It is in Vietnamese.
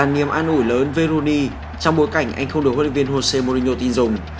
đàn niềm an ủi lớn về rooney trong bối cảnh anh không được huấn luyện viên jose mourinho tin dùng